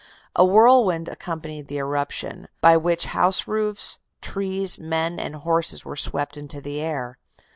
A whirlwind accompanied the eruption, by which house roofs, trees, men, and horses were swept into the air.